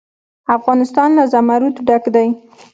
افغانستان له زمرد ډک دی.